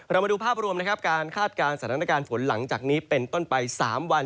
มาดูภาพรวมนะครับการคาดการณ์สถานการณ์ฝนหลังจากนี้เป็นต้นไป๓วัน